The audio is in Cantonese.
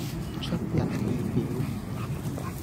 出人意表